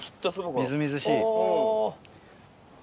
みずみずしい。